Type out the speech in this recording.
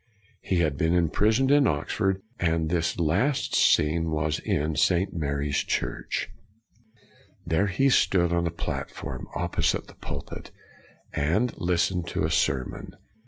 He had been imprisoned in CRANMER 95 Oxford, and this last scene was in St. Mary's Church. There he stood on a plat form opposite the pulpit, and listened to a sermon.